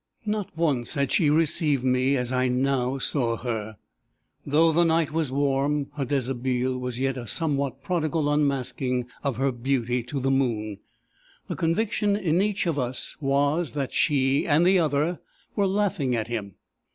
Not once had she received me as I now saw her: though the night was warm, her deshabille was yet a somewhat prodigal unmasking of her beauty to the moon! The conviction in each of us was, that she and the other were laughing at him.